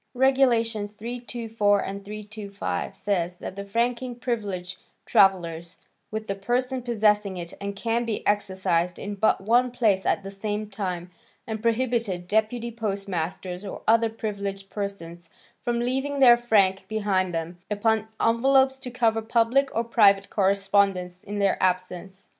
Regulations 324 and 325 says that the franking privilege travels with the person possessing it and can be exercised in but one place at the same time, and prohibited deputy postmasters or other privileged persons from leaving their frank behind them upon envelopes to cover public or private correspondence in their absence.